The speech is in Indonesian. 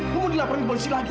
lu mau dilaporkan ke polisi lagi